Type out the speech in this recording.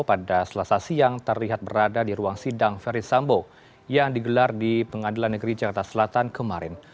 pada selasa siang terlihat berada di ruang sidang verisambo yang digelar di pengadilan negeri jakarta selatan kemarin